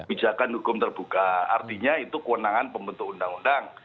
kebijakan hukum terbuka artinya itu kewenangan pembentuk undang undang